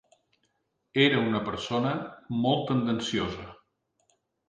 Era una persona molt tendenciosa.